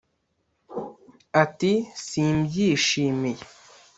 Ati “ Simbyishimiye